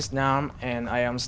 và tôi là học sinh